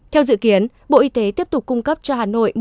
theo dự kiến bộ y tế tiếp tục cung cấp cho hà nội